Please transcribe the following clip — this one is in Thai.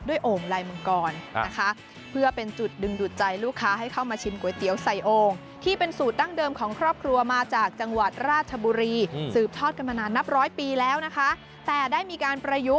ด้วยโอ่งลายมังกรนะคะเพื่อเป็นจุดดึงดูดใจลูกค้า